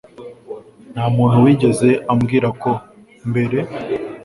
nta muntu wigeze ambwira ko mbere